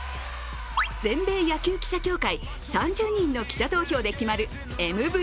全米野球記者協会３０人の記者投票で決まるＭＶＰ。